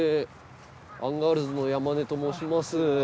アンガールズの山根と申します。